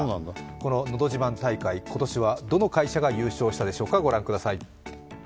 こののど自慢大会、今年はどの会社が優勝したでしょうか。